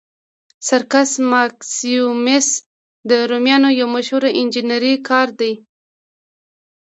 سرکس ماکسیموس د رومیانو یو مشهور انجنیري کار دی.